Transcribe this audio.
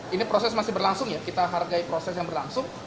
ini proses masih berlangsung ya kita hargai proses yang berlangsung